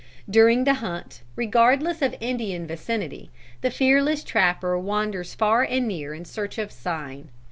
"During the hunt, regardless of Indian vicinity, the fearless trapper wanders far and near in search of 'sign.'